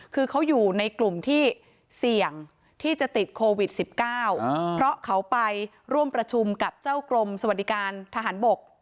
คือเขาอยู่ในกลุ่มที่เสี่ยงที่จะติดโควิด๑๙เพราะเขาไปร่วมประชุมกับเจ้ากรมสวัสดิการทหารบก